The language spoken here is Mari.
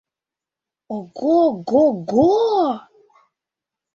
Ого-го-го!..